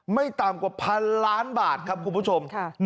ไม่ต่ำกว่าพันล้านบาทครับคุณผู้ชม